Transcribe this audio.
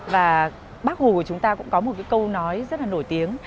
và bác hồ của chúng ta cũng có một cái câu nói rất là nổi tiếng